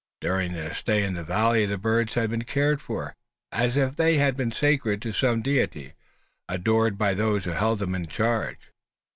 During their stay in the valley the birds had been cared for, as if they had been sacred to some deity, adored by those who held them in charge.